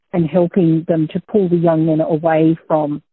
dan apakah peraturan itu digunakan atau tidak